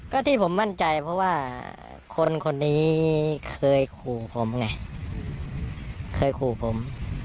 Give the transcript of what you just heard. ก็ที่ผมมั่นใจเพราะว่าคนคนนี้เคยขู่ผมไงเคยขู่ผม